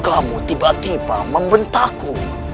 kamu tiba tiba membentakku